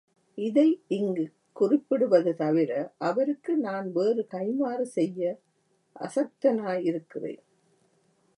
இதை இங்குக் குறிப்பிடுவது தவிர அவருக்கு நான் வேறு கைம்மாறு செய்ய அசக்தனாயிருக்கிறேன்.